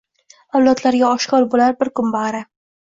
Avlodlarga oshkor bo‘lar bir kun bari